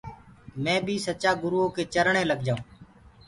مي بي ڪِرو سچآ گُروٚئو ڪي چرني لگ جآئوٚنٚ۔